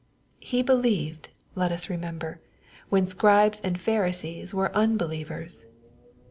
He believed, let us remember, when Scribes and Pharisees were unbelievers.